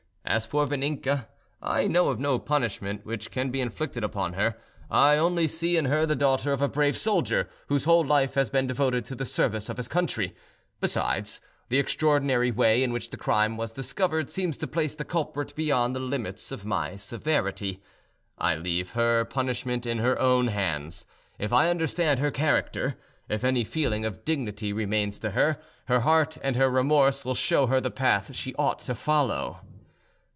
"As for Vaninka, I know of no punishment which can be inflicted upon her. I only see in her the daughter of a brave soldier, whose whole life has been devoted to the service of his country. Besides, the extraordinary way in which the crime was discovered, seems to place the culprit beyond the limits of my severity. I leave her punishment in her own hands. If I understand her character, if any feeling of dignity remains to her, her heart and her remorse will show her the path she ought to follow."